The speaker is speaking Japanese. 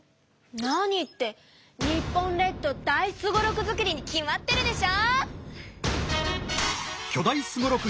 何って日本列島大すごろく作りに決まってるでしょ！